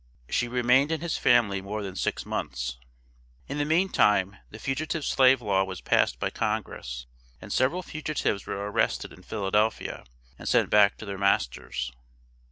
She remained in his family more than six months. In the mean time the Fugitive Slave Law was passed by Congress, and several fugitives were arrested in Philadelphia and sent back to their masters.